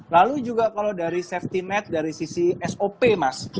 lalu juga kalau dari safety net dari sisi sop mas